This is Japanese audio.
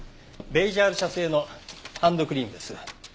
ベイジャール社製のハンドクリームです。